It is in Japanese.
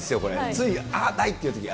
つい、あっ、ないっていうとき。